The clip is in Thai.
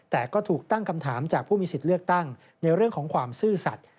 แต่ก็ถูกตั้งคำถามจากผู้มีสิทธิ์เลือกตั้งในเรื่องของความซื่อสัตว์